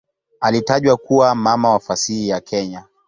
Alitajwa kuwa "mama wa fasihi ya Kenya".